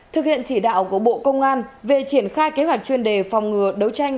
thực hiện chỉ đạo của bộ công an về triển khai kế hoạch chuyên đề phòng ngừa đấu tranh